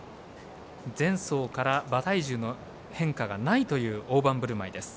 前走から馬体重の変化がないというオオバンブルマイです。